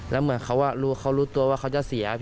แล้วเหมือนเขารู้ตัวว่าเขาจะเสีย